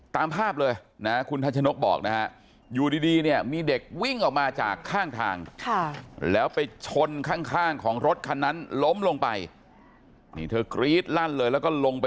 ตามภาพเลยนะฮะคุณทันชนกบอกนะฮะ